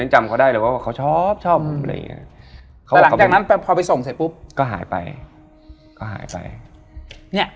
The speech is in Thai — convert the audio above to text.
โหอะไรวะเนี่ย